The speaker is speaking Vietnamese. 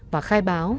và khai báo